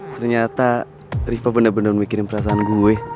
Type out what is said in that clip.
ternyata riva bener bener mikirin perasaan gue